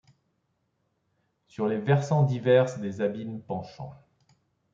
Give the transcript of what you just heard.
Sur les versants divers des abîmes penchants